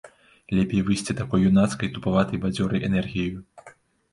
Лепей выйсці такой юнацкай, тупаватай, бадзёрай энергіяю.